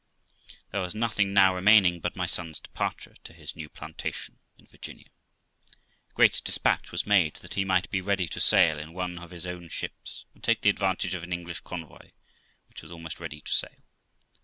There was nothing now remaining but my son's departure to his new plantation in Virginia. Great despatch was made that he might be ready to sail in one of his own ships, and take the advantage of an English convoy, which was almost ready to sail.